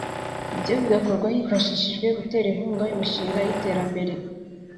ibyo bigakorwa hifashishijwe gutera inkunga imishinga y’iterambere